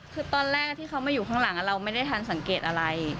คือตอนแรกที่เขามาอยู่ข้างหลังเราไม่ได้ทันสังเกตอะไร